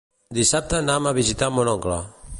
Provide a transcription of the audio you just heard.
Dissabte anam a visitar mon oncle.